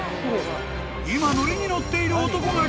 ［今乗りに乗っている男が］